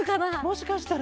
もしかしたら。